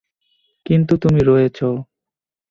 কিন্তু তুমি রয়েছো।